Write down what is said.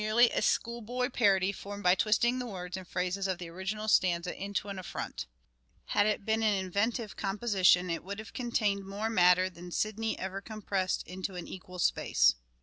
no really inventive composition. It is a mere school boy parody, formed by twisting the words and phrases of the original stanza into an affront. Had it been an inventive composition it would have contained more matter than Sidney ever compressed into an equal space.